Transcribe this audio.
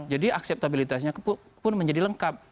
jadi akseptabilitasnya pun menjadi lengkap